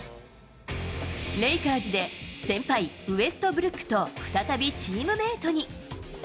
レイカーズで先輩、ウェストブルックと再びチームメートに。